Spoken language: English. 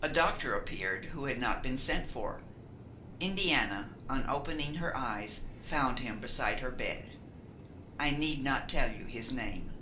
A doctor appeared who had not been sent for. Indiana, on opening her eyes, found him beside her bed. I need not tell you his name.